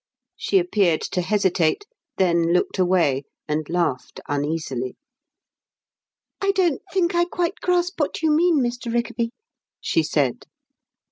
She appeared to hesitate, then looked away and laughed uneasily. "I don't think I quite grasp what you mean, Mr. Rickaby," she said.